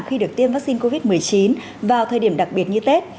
khi được tiêm vaccine covid một mươi chín vào thời điểm đặc biệt như tết